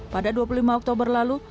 pada dua puluh lima oktober lalu